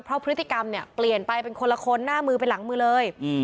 เพราะพฤติกรรมเนี่ยเปลี่ยนไปเป็นคนละคนหน้ามือไปหลังมือเลย